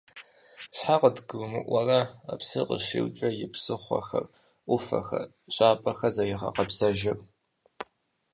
Щхьэ къыдгурымыӀуэрэ псыр къыщиукӀэ и псыхъуэр, Ӏуфэхэр, жапӀэхэр зэригъэкъэбзэжыр?!